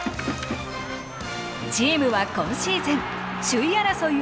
チームは今シーズン首位争いを続け好調！